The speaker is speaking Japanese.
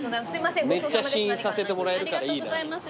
めっちゃ試飲させてもらえるからいいな。